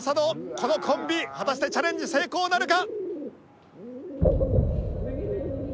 このコンビ果たしてチャレンジ成功なるか？